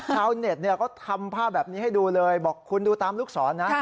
ชาวเน็ตก็ทำภาพแบบนี้ให้ดูเลยบอกคุณดูตามลูกศรนะ